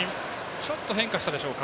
ちょっと変化したでしょうか。